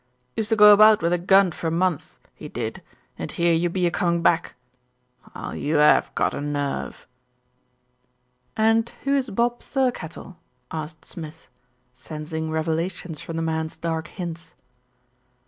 Used to go about with a gun for months, he did, and here you be a comin' back. Well, you 'ave got a nerve." "And who is Bob Thirkettle?" asked Smith, sensing revelations from the man's dark hints.